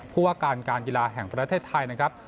ผู้ว่าการการกีฬาแห่งประเทศไทยนะครับ